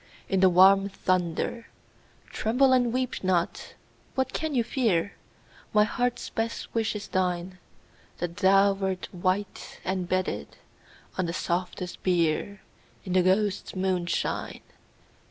In the warm thunder : (Tremble and weep not I What can you fear?) My heart's best wish is thine, — That thou wert white, and bedded On the softest bier. In the ghosts* moonshine.